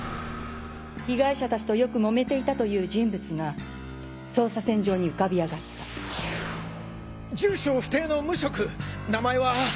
被害者たちとよくもめていたという人物が捜査線上に浮かび上がった住所不定の無職名前は。